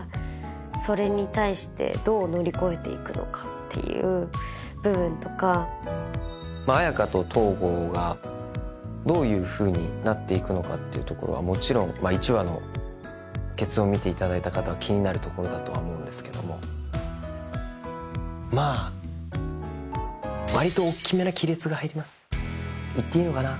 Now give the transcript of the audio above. それに対してどう乗り越えていくのかっていう部分とか綾華と東郷がどういうふうになっていくのかっていうところはもちろん１話のケツを見ていただいた方は気になるところだとは思うんですけどもまあ言っていいのかな？